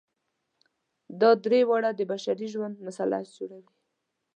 دا درې واړه د بشري ژوند مثلث جوړوي.